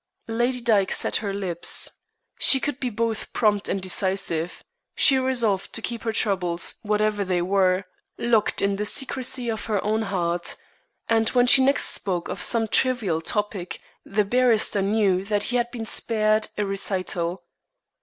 Lady Dyke set her lips. She could be both prompt and decisive. She resolved to keep her troubles, whatever they were, locked in the secrecy of her own heart, and when she next spoke of some trivial topic the barrister knew that he had been spared a recital.